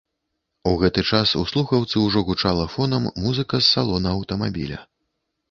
У гэты час у слухаўцы ўжо гучала фонам музыка з салона аўтамабіля.